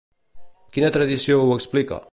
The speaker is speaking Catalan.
Quina tradició ho explica?